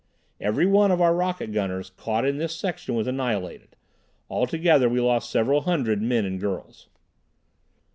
Everyone of our rocket gunners caught in this section was annihilated. Altogether we lost several hundred men and girls.